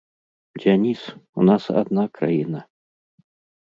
Дзяніс, у нас адна краіна.